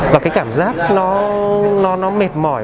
và cái cảm giác nó mệt mỏi